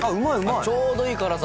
ちょうどいい辛さ。